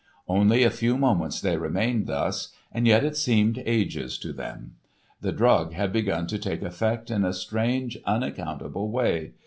Only a few moments they remained thus, and yet it seemed ages to them. The drug had begun to take effect in a strange, unaccountable way.